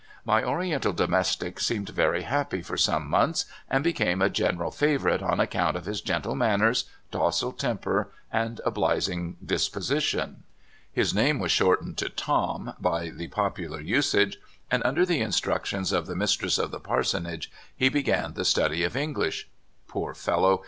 My Oriental domestic seemed very happy for some months, and became a general favorite on account of his gentle manners, docile temper, and obliging disposition. His name was shortened to *' Tom " by the popular usage, and under the in structions of the mistress of the parsonage he be gan the study of English. Poor fellow!